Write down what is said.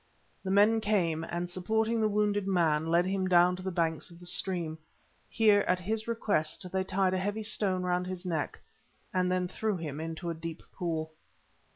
Then men came, and, supporting the wounded man, led him down to the banks of the stream. Here, at his request, they tied a heavy stone round his neck, and then threw him into a deep pool.